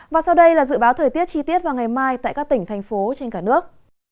và sau đây là dự báo thời tiết chi tiết vào ngày mai tại các tỉnh thành phố trên cả nước